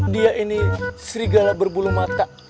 dia ini serigala berbulu mata